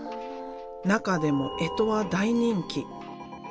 中でも干支は大人気。